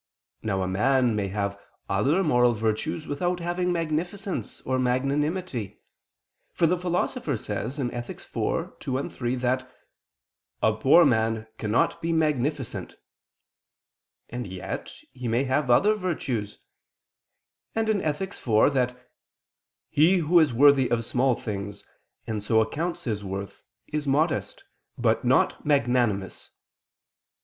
Now a man may have other moral virtues without having magnificence or magnanimity: for the Philosopher says (Ethic. iv, 2, 3) that "a poor man cannot be magnificent," and yet he may have other virtues; and (Ethic. iv) that "he who is worthy of small things, and so accounts his worth, is modest, but not magnanimous."